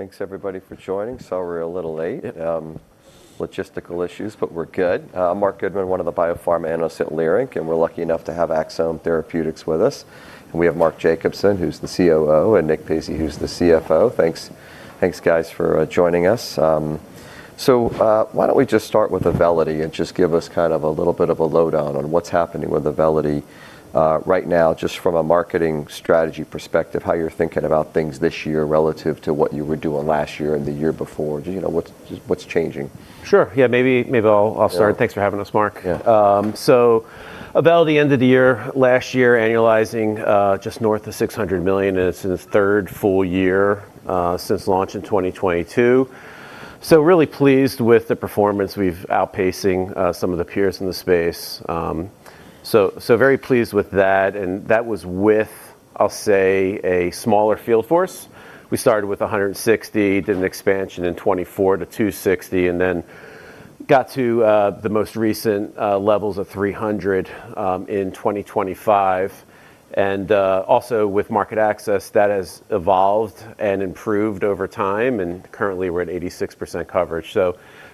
Thanks everybody for joining. We're a little late. Logistical issues, but we're good. Marc Goodman, one of the biopharma analysts at Leerink Partners, and we're lucky enough to have Axsome Therapeutics with us. We have Mark Jacobson, who's the COO, and Nick Pizzie, who's the CFO. Thanks, thanks guys for joining us. Why don't we just start with Auvelity and just give us kind of a little bit of a lowdown on what's happening with Auvelity right now, just from a marketing strategy perspective, how you're thinking about things this year relative to what you were doing last year and the year before. Do you know what's changing? Sure. Yeah. Maybe I'll start. Yeah. Thanks for having us, Marc. Yeah. Auvelity end of the year, last year, annualizing, just north of $600 million, and it's in its third full year, since launch in 2022. Really pleased with the performance. We've outpacing, some of the peers in the space. Very pleased with that, and that was with, I'll say, a smaller field force. We started with 160, did an expansion in 2024 to 260, and then got to the most recent levels of 300 in 2025. Also with market access, that has evolved and improved over time, and currently we're at 86% coverage.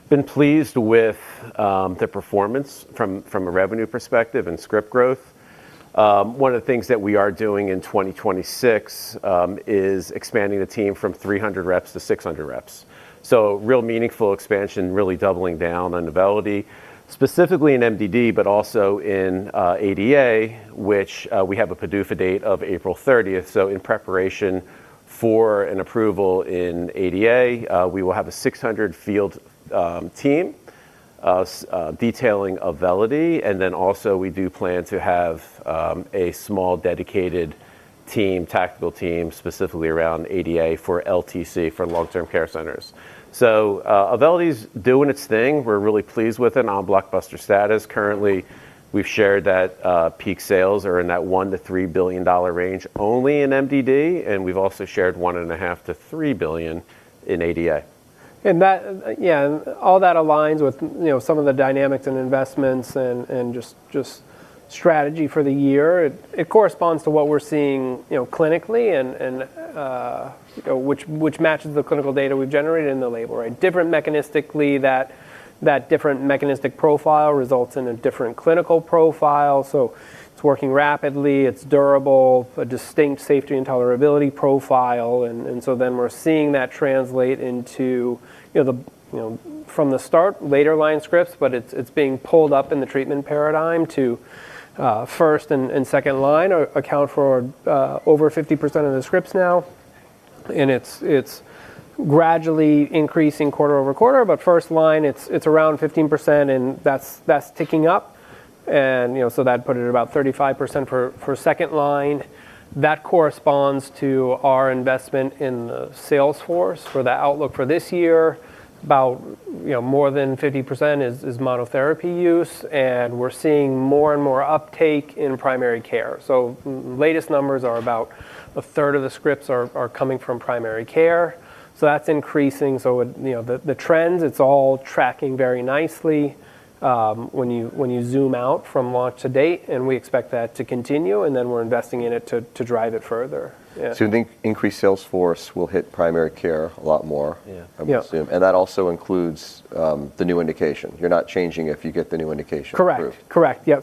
Been pleased with the performance from a revenue perspective and script growth. One of the things that we are doing in 2026 is expanding the team from 300 reps to 600 reps. Real meaningful expansion, really doubling down on Auvelity, specifically in MDD, but also in ADA, which we have a PDUFA date of April 30th. In preparation for an approval in ADA, we will have a 600 field team detailing Auvelity. Also we do plan to have a small dedicated team, tactical team, specifically around ADA for LTC, for long-term care centers. Auvelity's doing its thing. We're really pleased with it on blockbuster status. Currently, we've shared that peak sales are in that $1 billion-$3 billion range only in MDD, and we've also shared $1.5 billion-$3 billion in ADA. That, all that aligns with, you know, some of the dynamics and investments and just strategy for the year. It corresponds to what we're seeing, you know, clinically and, you know, which matches the clinical data we've generated in the label, right? Different mechanistically, that different mechanistic profile results in a different clinical profile. It's working rapidly, it's durable, a distinct safety and tolerability profile, then we're seeing that translate into, you know, from the start later line scripts, but it's being pulled up in the treatment paradigm to first and second line account for over 50% of the scripts now. It's gradually increasing quarter over quarter, but first line it's around 15%, and that's ticking up. You know, so that put it at about 35% for second line. That corresponds to our investment in the sales force for the outlook for this year. About, you know, more than 50% is monotherapy use, and we're seeing more and more uptake in primary care. Latest numbers are about a third of the scripts are coming from primary care, so that's increasing. You know, the trends, it's all tracking very nicely when you zoom out from launch to date, and we expect that to continue, and then we're investing in it to drive it further. Yeah. the increased sales force will hit primary care a lot more. Yeah. Yeah... I would assume. That also includes, the new indication. You're not changing if you get the new indication approved. Correct. Yeah.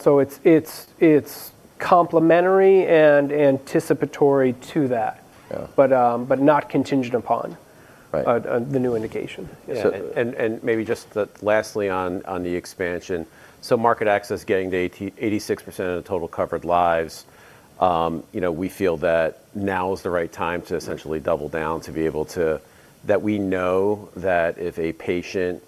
It's complimentary and anticipatory to that. Yeah. Not contingent upon... Right the new indication. Yeah. And maybe just the lastly on the expansion. Market access getting to 86% of the total covered lives, you know, we feel that now is the right time to essentially double down to be able to. We know that if a patient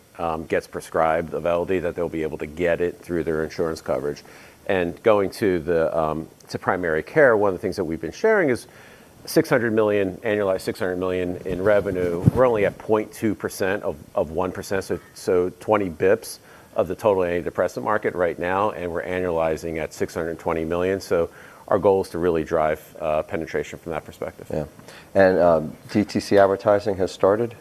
gets prescribed Auvelity, that they'll be able to get it through their insurance coverage. Going to the primary care, one of the things that we've been sharing is $600 million, annualized $600 million in revenue. We're only at 0.2% of 1%, so 20 bips of the total antidepressant market right now, and we're annualizing at $620 million. Our goal is to really drive penetration from that perspective. Yeah. DTC advertising has started?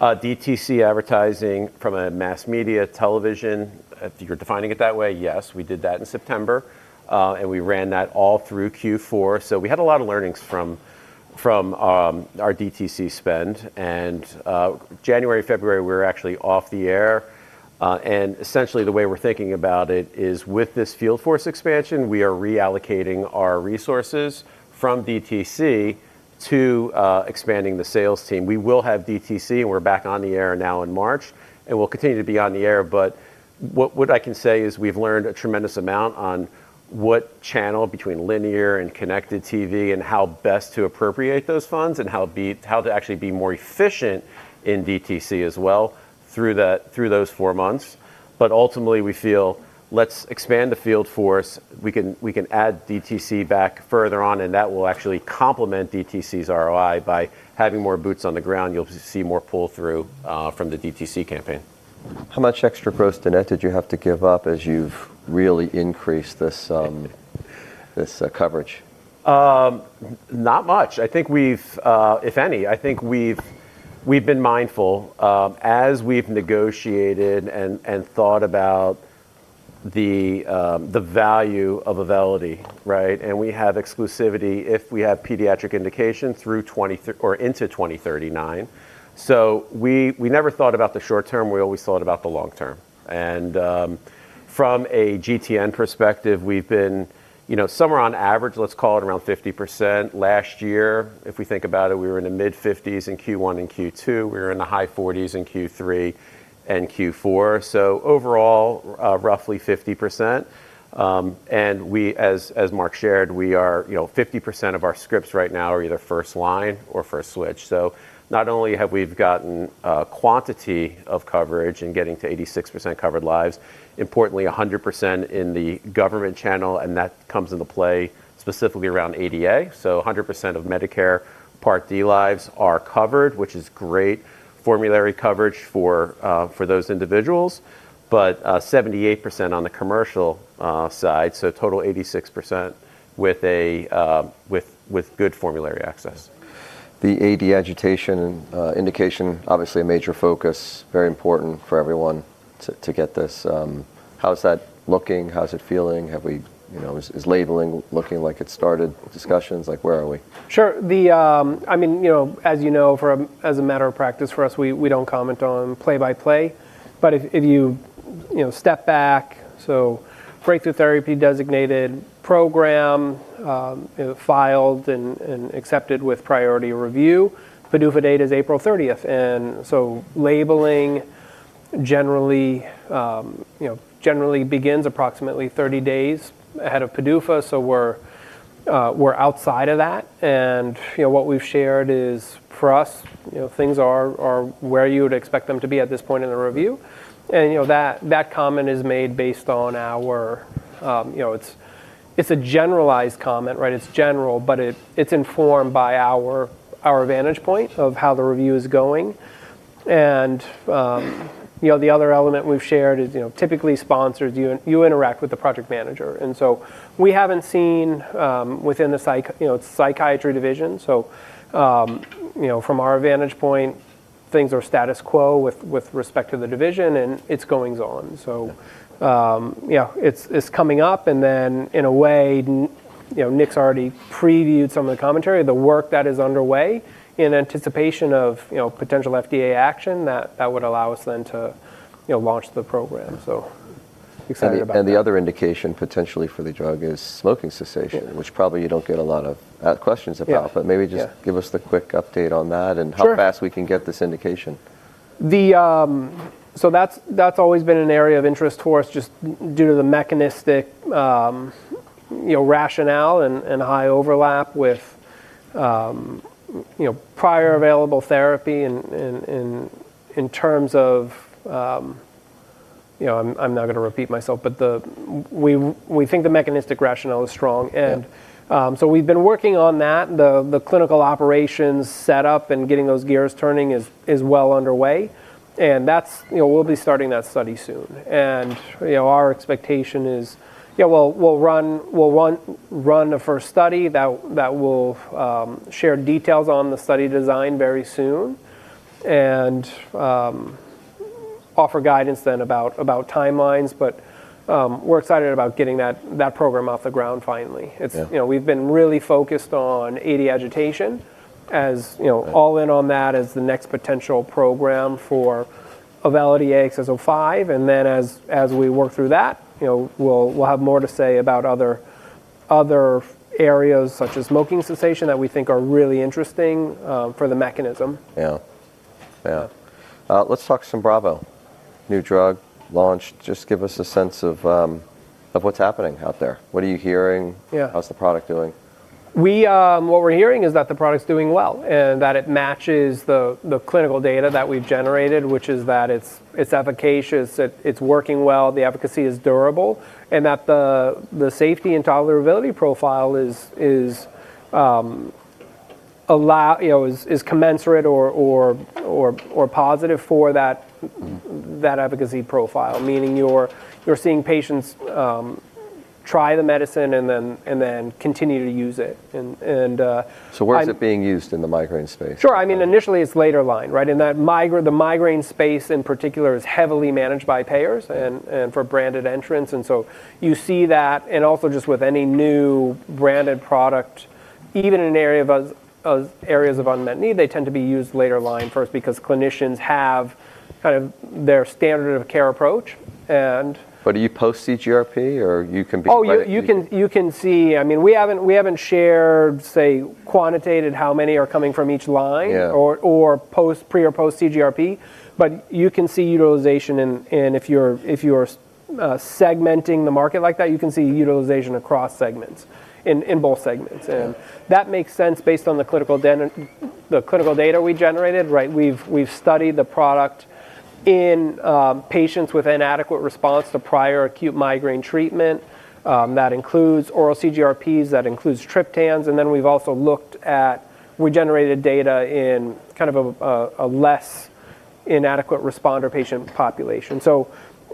DTC advertising from a mass media television, if you're defining it that way, yes, we did that in September, and we ran that all through Q4. We had a lot of learnings from our DTC spend. January, February, we're actually off the air. Essentially the way we're thinking about it is with this field force expansion, we are reallocating our resources from DTC to expanding the sales team. We will have DTC, and we're back on the air now in March, and we'll continue to be on the air, but what I can say is we've learned a tremendous amount on what channel between linear and connected TV, and how best to appropriate those funds, and how to actually be more efficient in DTC as well through that, through those four months. Ultimately, we feel let's expand the field force. We can add DTC back further on, and that will actually complement DTC's ROI by having more boots on the ground. You'll see more pull-through from the DTC campaign. How much extra gross-to-net did you have to give up as you've really increased this coverage? Not much. I think we've, if any, I think we've been mindful, as we've negotiated and thought about... The value of Auvelity, right? We have exclusivity if we have pediatric indication into 2039. We never thought about the short term, we always thought about the long term. From a GTN perspective, we've been, you know, somewhere on average, let's call it around 50% last year. If we think about it, we were in the mid-50s in Q1 and Q2. We were in the high 40s in Q3 and Q4. Overall, roughly 50%. We, as Mark shared, we are, you know, 50% of our scripts right now are either first line or first switch. Not only have we've gotten quantity of coverage and getting to 86% covered lives, importantly, 100% in the government channel, and that comes into play specifically around ADA. 100% of Medicare Part D lives are covered, which is great formulary coverage for those individuals. 78% on the commercial side, so total 86% with good formulary access. The AD agitation indication, obviously a major focus, very important for everyone to get this. How is that looking? How is it feeling? Have we, you know... Is labeling looking like it's started? Discussions, like where are we? Sure. I mean, you know, as you know, for a matter of practice for us, we don't comment on play-by-play. If you know, step back, so Breakthrough Therapy designated program, filed and accepted with priority review. PDUFA date is April 30th. Labeling generally, you know, generally begins approximately 30 days ahead of PDUFA. We're outside of that. You know, what we've shared is for us, you know, things are where you would expect them to be at this point in the review. You know, that comment is made based on our, you know, it's a generalized comment, right? It's general, but it's informed by our vantage point of how the review is going. You know, the other element we've shared is, you know, typically sponsors you interact with the project manager. We haven't seen, you know, within the Psychiatry Division. You know, from our vantage point, things are status quo with respect to the division and its goings on. Yeah, it's coming up and then in a way, you know, Nick's already previewed some of the commentary, the work that is underway in anticipation of, you know, potential FDA action that would allow us then to, you know, launch the program. Excited about that. The other indication potentially for the drug is smoking cessation. Yeah ...which probably you don't get a lot of questions about. Yeah. Yeah. maybe just give us the quick update on that? Sure How fast we can get this indication. That's always been an area of interest to us just due to the mechanistic, you know, rationale and high overlap with, you know, prior available therapy in terms of, you know. I'm now gonna repeat myself, but the, we think the mechanistic rationale is strong. Yeah We've been working on that. The clinical operations set up and getting those gears turning is well underway. That's, you know, we'll be starting that study soon. You know, our expectation is, we'll run a first study that we'll share details on the study design very soon and offer guidance then about timelines. We're excited about getting that program off the ground finally. Yeah. You know, we've been really focused on AD agitation, as, you know. Okay ...all in on that as the next potential program for Auvelity AXS-05. As we work through that, you know, we'll have more to say about other areas such as smoking cessation that we think are really interesting for the mechanism. Yeah. Yeah. Let's talk some Symbravo. New drug launch. Just give us a sense of what's happening out there. What are you hearing? Yeah. How's the product doing? We, What we're hearing is that the product is doing well, and that it matches the clinical data that we've generated, which is that it's efficacious, it's working well, the efficacy is durable, and that the safety and tolerability profile is, allow, you know, is commensurate or positive for that efficacy profile. Meaning you're seeing patients, try the medicine and then, and then continue to use it. Where is it being used in the migraine space? Sure. I mean, initially it's later line, right? The migraine space in particular is heavily managed by payers and for branded entrants. You see that and also just with any new branded product, even in areas of unmet need, they tend to be used later line first because clinicians have kind of their standard of care approach. Are you post CGRP or you can be? You can see. I mean, we haven't shared, say, quantitated how many are coming from each line. Yeah ...or post, pre or post CGRP. You can see utilization in if you're segmenting the market like that, you can see utilization across segments, in both segments. Yeah ...that makes sense based on the clinical data we generated, right? We've studied the product in patients with inadequate response to prior acute migraine treatment, that includes oral CGRPs, that includes triptans. Then we've also looked at regenerated data in kind of a less inadequate responder patient population.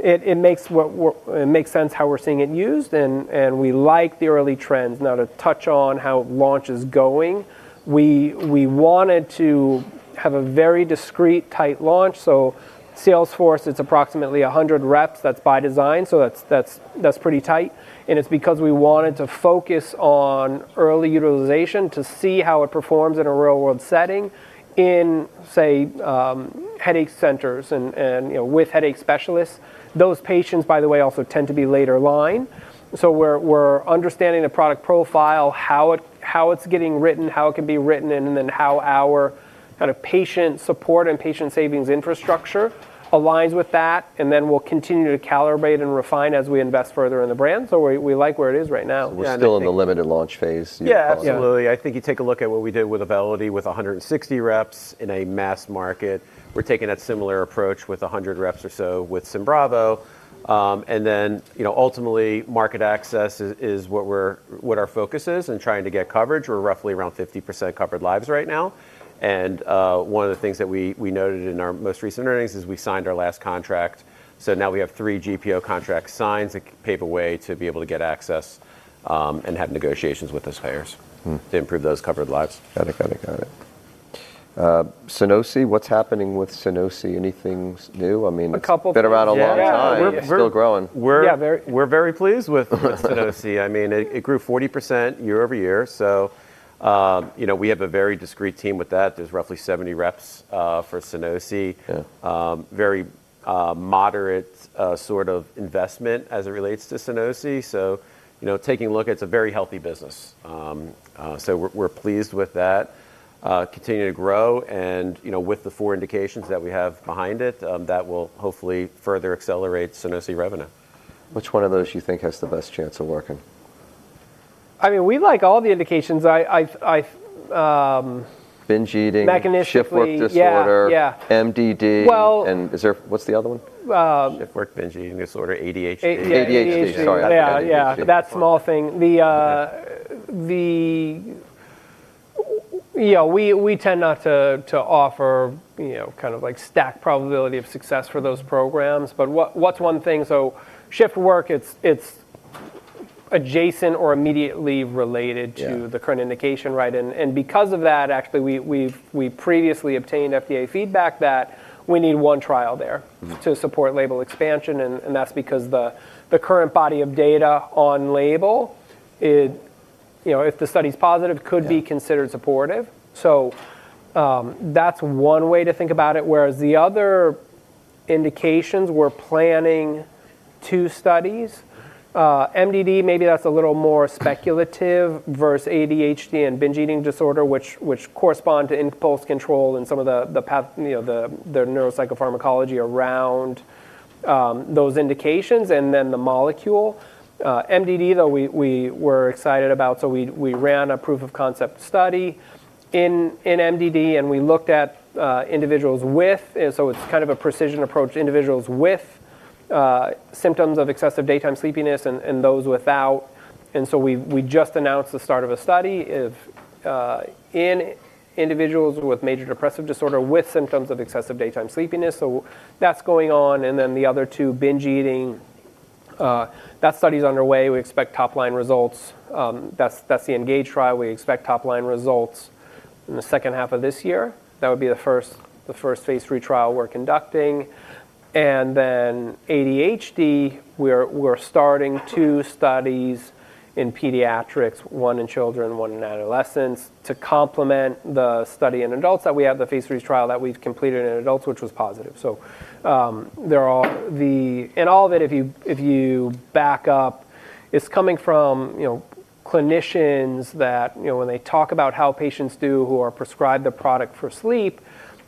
It makes sense how we're seeing it used and we like the early trends. Now to touch on how launch is going, we wanted to have a very discreet tight launch. Sales force, it's approximately 100 reps, that's by design, that's pretty tight, and it's because we wanted to focus on early utilization to see how it performs in a real-world setting in say, headache centers and, you know, with headache specialists. Those patients, by the way, also tend to be later line. We're understanding the product profile, how it's getting written, how it can be written in, and how our kind of patient support and patient savings infrastructure aligns with that, and then we'll continue to calibrate and refine as we invest further in the brand. We like where it is right now. We're still in the limited launch phase. Yeah, absolutely. Yeah. I think you take a look at what we did with Auvelity with 160 reps in a mass market. We're taking a similar approach with 100 reps or so with Symbravo. you know, ultimately, market access is what our focus is and trying to get coverage. We're roughly around 50% covered lives right now. One of the things that we noted in our most recent earnings is we signed our last contract. Now we have 3 GPO contracts signed to pave a way to be able to get access and have negotiations with those payers... Mm. to improve those covered lives. Got it. Sunosi, what's happening with Sunosi? Anything new? I mean. A couple. It's been around a long time. Yeah. We're. Still growing. We're- Yeah, very. ...we're very pleased with Sunosi. I mean, it grew 40% year-over-year. You know, we have a very discreet team with that. There's roughly 70 reps for Sunosi. Yeah. Very moderate sort of investment as it relates to Sunosi. You know, taking a look, it's a very healthy business. So we're pleased with that, continuing to grow and, you know, with the four indications that we have behind it, that will hopefully further accelerate Sunosi revenue. Which one of those do you think has the best chance of working? I mean, we like all the indications. I. Binge eating. Mechanistically- ...shift work disorder Yeah. Yeah. MDD. Well- What's the other one? Um- Shift work, binge eating disorder, ADHD. ADHD. Sorry. Yeah. Yeah. That small thing. The... Yeah, we tend not to offer, you know, kind of like stacked probability of success for those programs. What's one thing... Shift work, it's adjacent or immediately related- Yeah ...to the current indication, right? Because of that, actually we previously obtained FDA feedback that we need 1 trial there. Mm-hmm ...to support label expansion, and that's because the current body of data on label, you know, if the study's positive. Yeah ...could be considered supportive. That's one way to think about it, whereas the other indications, we're planning two studies. MDD, maybe that's a little more speculative versus ADHD and binge eating disorder, which correspond to impulse control and some of the path, you know, the neuropsychopharmacology around those indications and then the molecule. MDD though, we were excited about, we ran a proof of concept study in MDD and we looked at individuals with... It's kind of a precision approach, individuals with symptoms of excessive daytime sleepiness and those without. We just announced the start of a study in individuals with major depressive disorder with symptoms of excessive daytime sleepiness. That's going on. The other two, binge eating, that study's underway. We expect top-line results. That's the ENGAGE trial. We expect top-line results in the second half of this year. That would be the first phase 3 trial we're conducting. ADHD, we're starting two studies in pediatrics, one in children, one in adolescents, to complement the study in adults that we have, the phase 3 trial that we've completed in adults, which was positive. There are the... All of it, if you back up, it's coming from, you know, clinicians that, you know, when they talk about how patients do who are prescribed the product for sleep,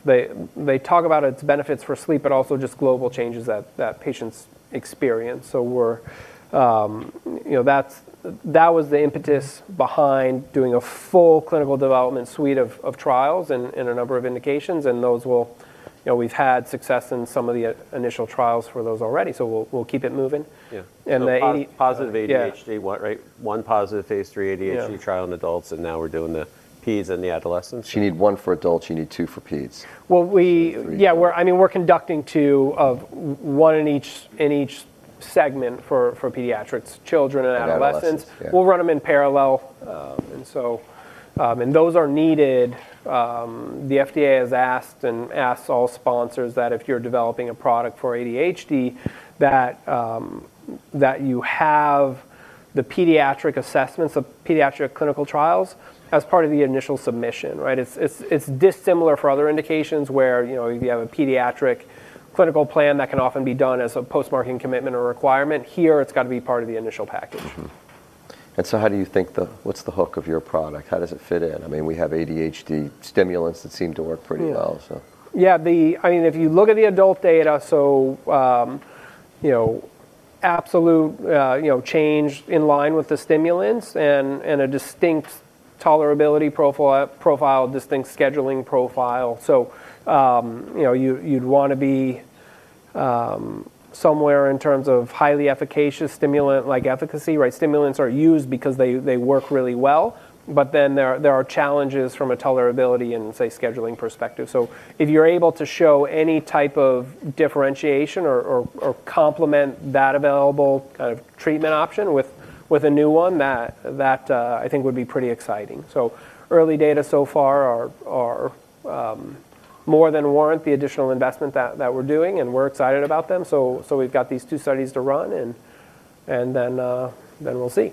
they talk about its benefits for sleep, but also just global changes that patients experience. We're, you know, that's, that was the impetus behind doing a full clinical development suite of trials and in a number of indications, and those will... You know, we've had success in some of the initial trials for those already, so we'll keep it moving. Yeah. And the- Positive ADHD. Yeah ...one, right? One positive phase 3 ADHD- Yeah ...trial in adults. Now we're doing the Peds and the adolescents. You need 1 for adults, you need 2 for Peds. Well, we- 2, 3. Yeah, we're, I mean, we're conducting two of one in each segment for pediatrics, children and adolescents. adolescents, yeah. We'll run them in parallel. Those are needed. The FDA has asked, and asks all sponsors that if you're developing a product for ADHD, that you have the pediatric assessments of pediatric clinical trials as part of the initial submission, right? It's dissimilar for other indications where, you know, if you have a pediatric clinical plan, that can often be done as a post-marketing commitment or requirement. Here, it's got to be part of the initial package. Mm-hmm. What's the hook of your product? How does it fit in? I mean, we have ADHD stimulants that seem to work pretty well, so. Yeah. I mean, if you look at the adult data, you know, absolute, you know, change in line with the stimulants and a distinct tolerability profile, distinct scheduling profile. you know, you'd wanna be somewhere in terms of highly efficacious stimulant, like efficacy, right? Stimulants are used because they work really well. there are challenges from a tolerability and, say, scheduling perspective. if you're able to show any type of differentiation or complement that available kind of treatment option with a new one, that I think would be pretty exciting. early data so far are more than warrant the additional investment that we're doing, and we're excited about them. We've got these two studies to run and then we'll see.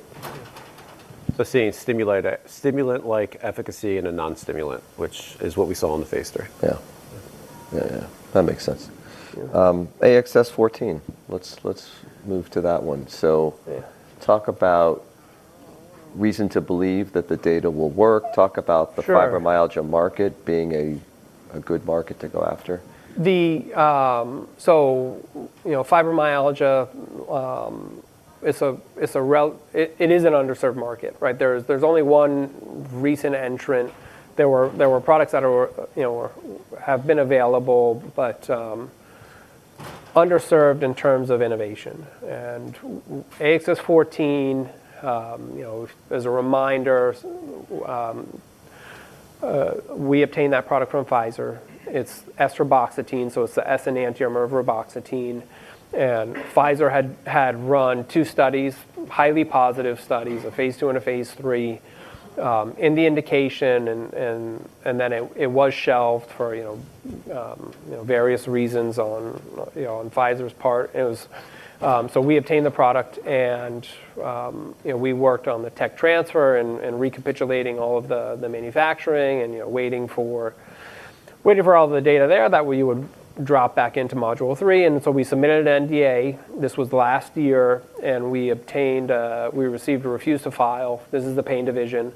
seeing stimulant like efficacy in a non-stimulant, which is what we saw in the phase 3. Yeah. Yeah, yeah. That makes sense. Yeah. AXS-14, let's move to that one. Yeah ... talk about reason to believe that the data will work. Sure... fibromyalgia market being a good market to go after. You know, fibromyalgia, it is an underserved market, right? There's only one recent entrant. There were products that are, you know, have been available, but underserved in terms of innovation. AXS-14, you know, as a reminder, we obtained that product from Pfizer. It's esreboxetine, so it's the S enantiomer of reboxetine. Pfizer had run 2 studies, highly positive studies, a phase 2 and a phase 3, in the indication, and then it was shelved for, you know, various reasons on, you know, on Pfizer's part. It was. We obtained the product, and, you know, we worked on the tech transfer and recapitulating all of the manufacturing and, you know, waiting for all the data there that we would drop back into Module 3. We submitted an NDA, this was last year, and we obtained, we received a Refuse to File. This is the Pain Division.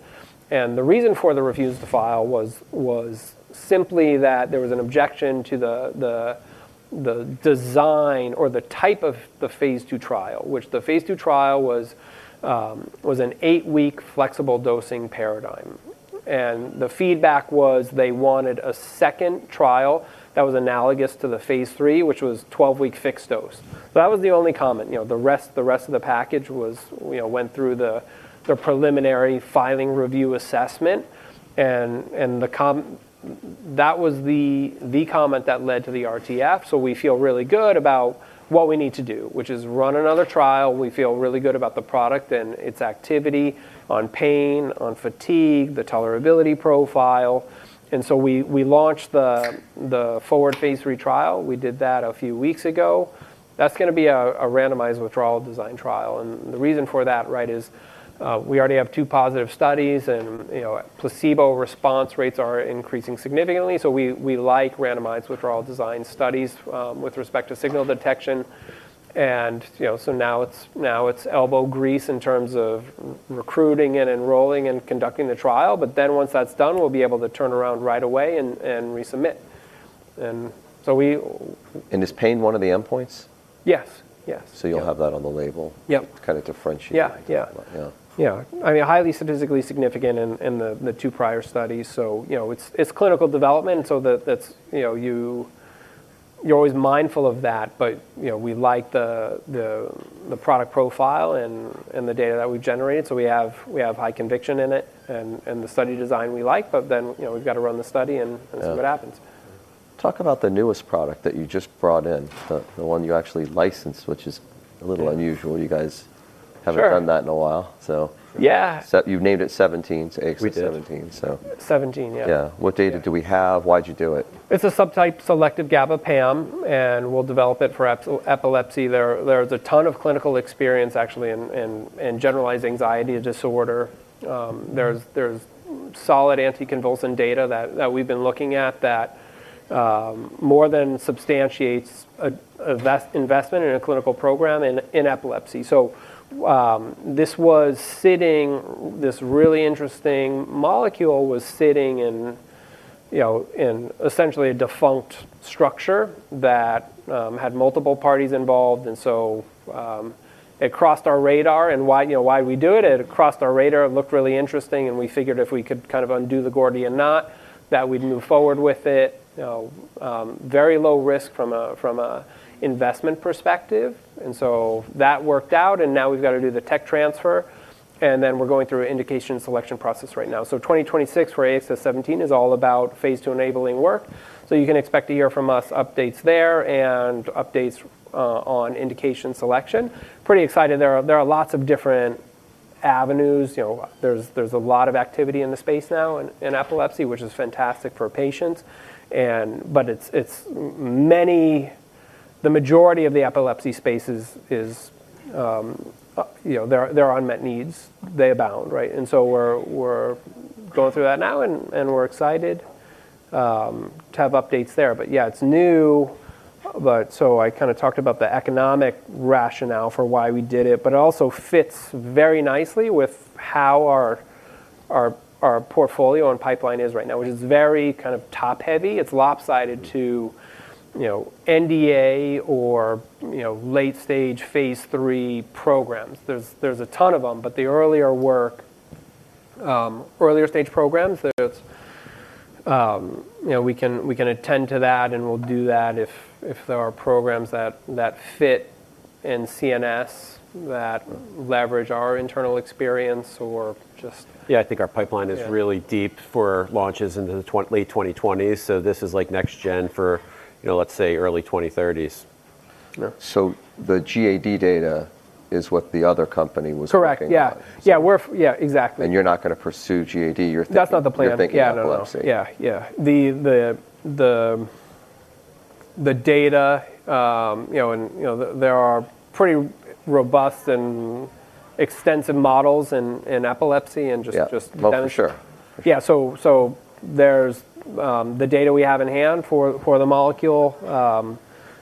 The reason for the Refuse to File was simply that there was an objection to the design or the type of the phase 2 trial, which the phase 2 trial was an eight-week flexible dosing paradigm. The feedback was they wanted a second trial that was analogous to the phase 3, which was 12-week fixed dose. That was the only comment. You know, the rest of the package was, you know, went through the preliminary filing review assessment. That was the comment that led to the RTF. We feel really good about what we need to do, which is run another trial. We feel really good about the product and its activity on pain, on fatigue, the tolerability profile. We launched the forward phase 3 trial. We did that a few weeks ago. That's gonna be a randomized withdrawal design trial. The reason for that, right, is, we already have 2 positive studies, and, you know, placebo response rates are increasing significantly. We like randomized withdrawal design studies with respect to signal detection. You know, now it's elbow grease in terms of recruiting and enrolling and conducting the trial. Once that's done, we'll be able to turn around right away and resubmit. We... Is pain one of the endpoints? Yes. Yes. You'll have that on the label? Yep. Kinda differentiate. Yeah. Yeah. Yeah. Yeah. I mean, highly statistically significant in the two prior studies. You know, it's clinical development so that's you know, you're always mindful of that. You know, we like the product profile and the data that we've generated. We have high conviction in it and the study design we like. You know, we've got to run the study and. Yeah... see what happens. Talk about the newest product that you just brought in, the one you actually licensed, which is a little unusual. Sure... haven't done that in a while. Yeah. You've named it 17, so AXS-17. We did. So. 17, yeah. Yeah. What data do we have? Why'd you do it? It's a subtype-selective GABAA, and we'll develop it for epilepsy. There's a ton of clinical experience actually in generalized anxiety disorder. There's solid anticonvulsant data that we've been looking at that more than substantiates a investment in a clinical program in epilepsy. This really interesting molecule was sitting in, you know, in essentially a defunct structure that had multiple parties involved. It crossed our radar. Why, you know, it crossed our radar, it looked really interesting, and we figured if we could kind of undo the Gordian knot, that we'd move forward with it. You know, very low risk from a, from a investment perspective, that worked out. Now we've got to do the tech transfer. We're going through an indication selection process right now. 2026 for AXS-17 is all about phase 2 enabling work. You can expect to hear from us updates there and updates on indication selection. Pretty excited. There are, there are lots of different avenues. You know, there's a lot of activity in the space now in epilepsy, which is fantastic for patients. The majority of the epilepsy space is, you know, there are, there are unmet needs. They abound, right? We're, we're going through that now, and we're excited to have updates there. Yeah, it's new, but so I kind of talked about the economic rationale for why we did it. It also fits very nicely with how our portfolio and pipeline is right now, which is very kind of top-heavy. It's lopsided to, you know, NDA or, you know, late-stage phase three programs. There's a ton of them, but the earlier work, earlier stage programs. You know, we can attend to that, and we'll do that if there are programs that fit in CNS that leverage our internal experience or just- Yeah, I think our pipeline is really deep for launches into the late 2020s. This is like next gen for, you know, let's say early 2030s. Yeah. The GAD data is what the other company was working on? Correct. Yeah. Yeah, exactly. you're not gonna pursue GAD. You're thinking- That's not the plan. You're thinking epilepsy. Yeah, no. Yeah, yeah. The data, you know, and, you know, there are pretty robust and extensive models in epilepsy. Yeah. Well, for sure. There's the data we have in-hand for the molecule,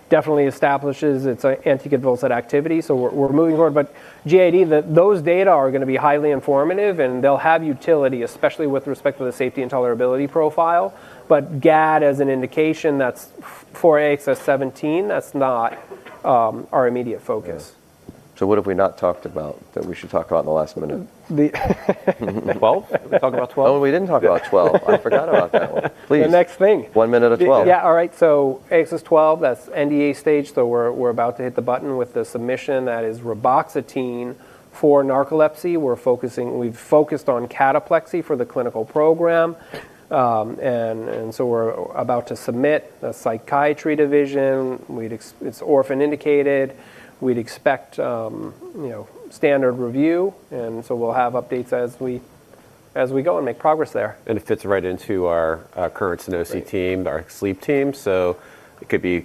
definitely establishes its anticonvulsant activity, so we're moving forward. GAD, those data are gonna be highly informative, and they'll have utility, especially with respect to the safety and tolerability profile. GAD as an indication, that's for AXS-17, that's not our immediate focus. Yeah. What have we not talked about that we should talk about in the last minute? The 12? Did we talk about 12? Oh, we didn't talk about 12. I forgot about that one. Please. The next thing. One minute of 12. Yeah, all right. AXS-12, that's NDA stage. We're about to hit the button with the submission that is reboxetine for narcolepsy. We've focused on cataplexy for the clinical program. We're about to submit the Psychiatry Division. It's orphan indication. We'd expect, you know, standard review, we'll have updates as we go and make progress there. It fits right into our current NOC team, our sleep team. It could be